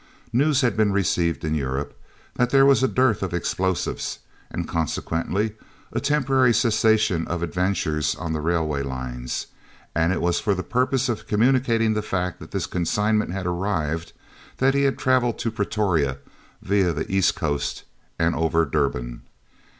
News had been received in Europe that there was a dearth of explosives and, consequently, a temporary cessation of adventures on the railway lines, and it was for the purpose of communicating the fact that this consignment had arrived that he had travelled to Pretoria via the East Coast and over Durban.